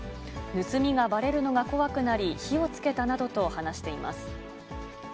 盗みがばれるのが怖くなり、火をつけたなどと話しています。